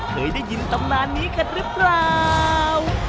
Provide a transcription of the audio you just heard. เคยได้ยินตำนานนี้กันหรือเปล่า